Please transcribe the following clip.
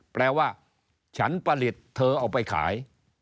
แปลว่าฉันผลิตเธอเอาไปขาย